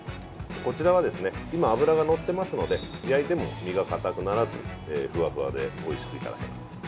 こちらは今、脂がのっていますので焼いても身がかたくならずふわふわでおいしくいただけます。